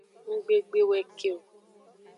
Ngbe gbe we ke o.